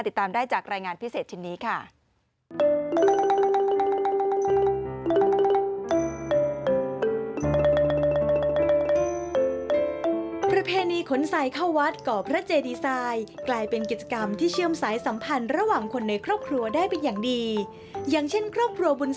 ติดตามได้จากรายงานพิเศษชิ้นนี้ค่ะ